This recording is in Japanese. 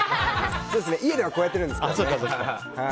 家ではこうやってるんですけどね。